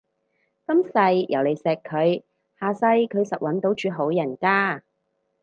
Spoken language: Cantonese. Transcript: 今世有你錫佢，下世佢實搵到住好人家